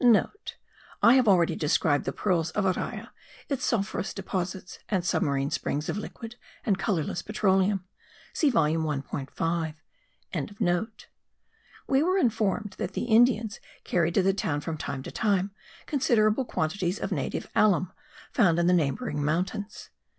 *(* I have already described the pearls of Araya; its sulphurous deposits and submarine springs of liquid and colourless petroleum. See volume 1.5.) We were informed that the Indians carried to the town from time to time considerable quantities of native alum, found in the neighbouring mountains.